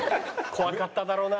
怖かっただろうな